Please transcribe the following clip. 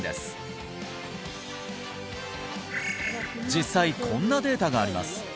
実際こんなデータがあります